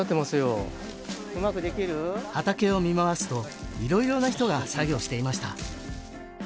畑を見回すと色々な人が作業していました